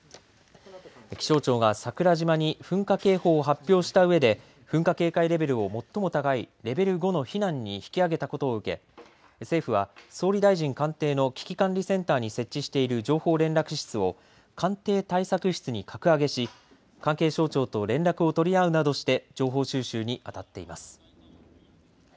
気象庁が桜島に噴火警報を発表したうえで噴火警戒レベルを最も高いレベル５の避難に引き上げたことを受け政府は総理大臣官邸の危機管理センターに設置している情報連絡室を官邸対策室に格上げし、関係省庁と連絡を取り合うなどして情報収集にあたっています。